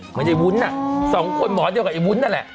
เหมือนไอ้วุ้นน่ะสองคนหมอเดียวกับไอ้วุ้นนั่นแหละ